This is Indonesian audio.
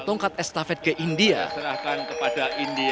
tongkat estafet ke india